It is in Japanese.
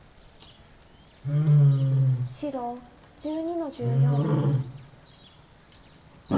白１２の十四。